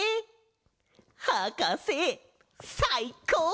はかせさいこう！